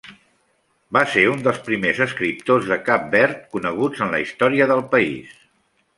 Va ser un dels primers escriptors de Cap Verd coneguts en la història del país.